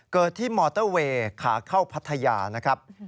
เกิดที่มอเตอร์เวย์ขาเข้าพัทยานะครับ